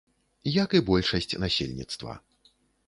Як і большасць насельніцтва.